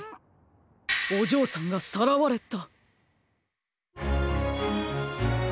おじょうさんがさらわれた。